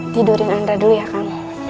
tidurin anda dulu ya kamu